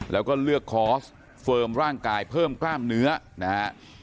แล้วก็เลือกคอร์สเฟิร์มร่างกายเพิ่มกล้ามเนื้อนะฮะ